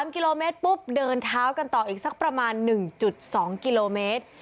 ๓กิโลเมตรปุ๊บเดินเท้ากันต่ออีกสักประมาณ๑๒กิโลเมตร